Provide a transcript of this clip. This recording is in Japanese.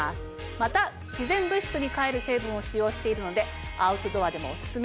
また自然物質にかえる成分を使用しているのでアウトドアでもオススメ。